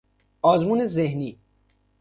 آزمون ذهنی